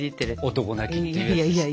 男泣きっていうやつです。